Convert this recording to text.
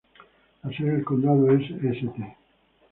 La sede de condado es St.